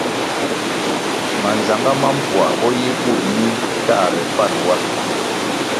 Manzagá ma mpoa bo yi bur mi ntahre pan wa.